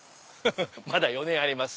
まだ４年あります。